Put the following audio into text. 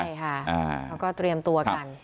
ใช่ค่ะเขาก็เตรียมตัวกัน